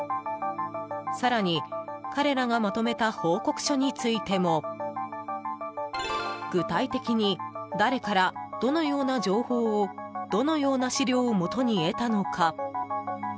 更に彼らがまとめた報告書についても具体的に誰からどのような情報をどのような資料をもとに得たのか。